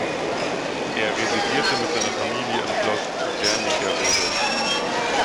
Er residierte mit seiner Familie im Schloss Wernigerode.